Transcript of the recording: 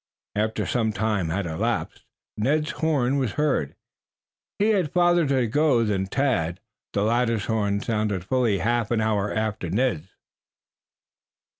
After some time had elapsed, Ned's horn was heard. He had farther to go than Tad. The latter's horn sounded fully half an hour after Ned's.